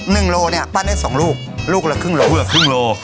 หนึ่งโลเนี่ยปั้นให้สองลูกลูกละครึ่งโล